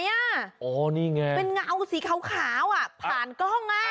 เห็นไหมเป็นเงาสีขาวผ่านกล้อง